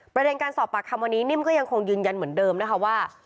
ประเด็นการสอบปากคำวันนี้นิ่มก็ยังคงยืนยันเหมือนเดิมนะคะว่า